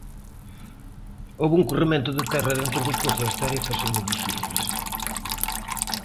Houbo un corremento de terra dentro do pozo e as tarefas son moi difíciles.